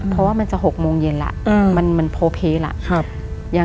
เพราะว่ามันจะ๖โมงเย็นแล้วมันโพเพแล้ว